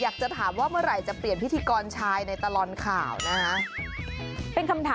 อยากจะถามว่าเมื่อไหร่จะเปลี่ยนพิธีกรชายในตลอดข่าวนะฮะ